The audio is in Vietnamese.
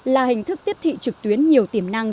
là hình thức tiết tị trực tuyến nhiều tiềm năng